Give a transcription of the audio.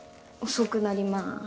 遅くなりまーす。